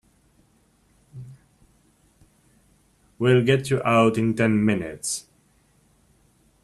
We'll get you out in ten minutes.